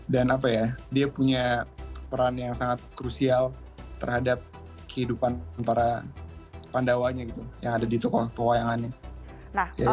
dan dia punya peran yang sangat krusial terhadap kehidupan para pandawanya gitu yang ada di toko pewayangannya